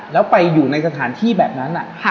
แล้วไปอยู่ในสถานที่แบบนั้น